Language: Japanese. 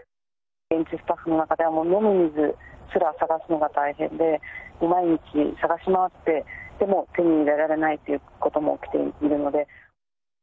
現地スタッフの中では、もう飲む水も探すのが大変で、毎日探し回って、でも手に入れられないということも起きているので。